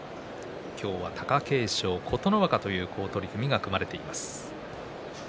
今日は貴景勝、琴ノ若という好取組が組まれています。